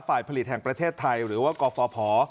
ฝ่ายผลิตแห่งประเทศไทยหรือว่ากฟภ